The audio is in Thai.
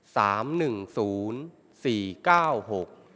หนึ่งศูนย์สี่เก้าหก